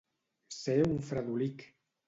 Ser un fredolic.